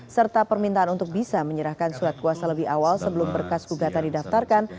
serta permintaan untuk bisa menyerahkan surat kuasa lebih awal sebelum berkas gugatan didaftarkan